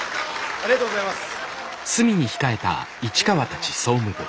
ありがとうございます！